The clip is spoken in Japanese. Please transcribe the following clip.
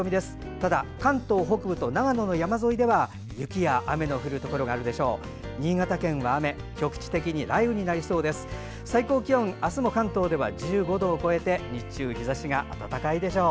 ただ、関東北部と長野の山沿いでは雪や雨の降るところがあるでしょう。